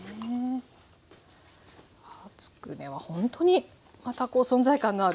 つくねはほんとにまたこう存在感のある。